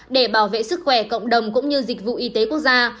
để bảo vệ sức khỏe cộng đồng cũng như dịch vụ y tế quốc gia